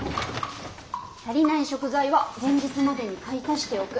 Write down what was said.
足りない食材は前日までに買い足しておく。